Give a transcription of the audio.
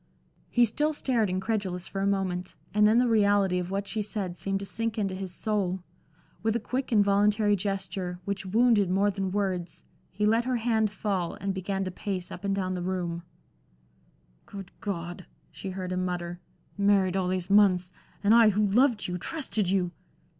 He still stared incredulous for a moment, and then the reality of what she said seemed to sink into his soul. With a quick, involuntary gesture, which wounded more than words, he let her hand fall, and began to pace up and down the room. "Good God!" she heard him mutter. "Married all these months! and I, who loved you, trusted you!"